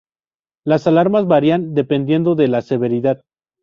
Las alarmas varían dependiendo de la severidad.